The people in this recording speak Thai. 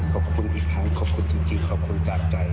ขอบคุณอีกครั้งขอบคุณจริงขอบคุณจากใจ